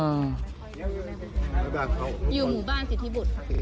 อยู่หมู่บ้านสิทธิบุตร